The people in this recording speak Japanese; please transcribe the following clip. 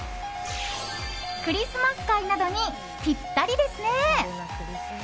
クリスマス会などにピッタリですね。